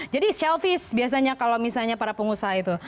jadi selfish biasanya kalau misalnya para pengusaha itu